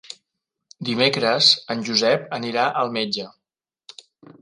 Dimecres en Josep anirà al metge.